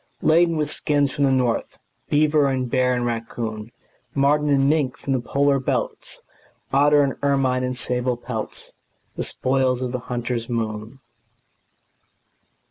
Laden with skins from the north, Beaver and bear and raccoon, Marten and mink from the polar belts, Otter and ermine and sable pelts The spoils of the hunter's moon.